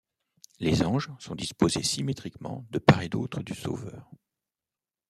Les anges sont disposés symétriquement de part et d'autre du Sauveur.